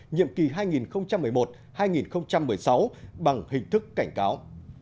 nhiệm kỳ hai nghìn một mươi một hai nghìn một mươi sáu bằng hình thức cảnh cáo